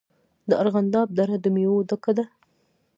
د ارغنداب دره د میوو ډکه ده.